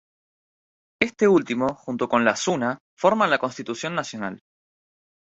Este último, junto con la "Sunna", forman la constitución nacional.